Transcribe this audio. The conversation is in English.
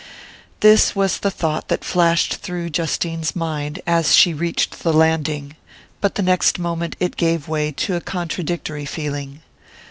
This was the thought that flashed through Justine's mind as she reached the landing; but the next moment it gave way to a contradictory feeling.